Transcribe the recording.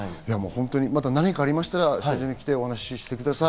また何かありましたらスタジオに来てお話をしてください。